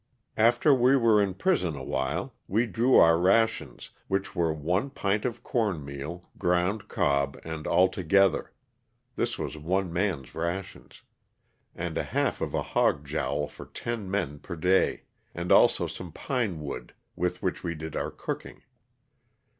After we were in the prison awhile we drew our rations which were one pint of corn meal, ground cob and all together (this was one man's rations), and a half of a hog jowl for ten men per day, and also some pine wood with which we did our cooking.